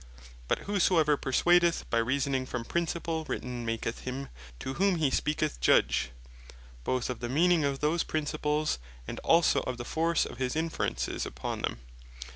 But whosoever perswadeth by reasoning from principles written, maketh him to whom hee speaketh Judge, both of the meaning of those principles, and also of the force of his inferences upon them.